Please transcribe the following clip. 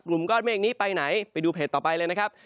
กลุ่มก้อนเมฆนี้ไปไหนไปดูเพจต่อไปเลยนะครับ